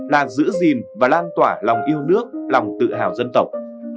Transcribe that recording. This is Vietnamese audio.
là giữ gìn và lan tỏa lòng yêu nước lòng tự hào dân tộc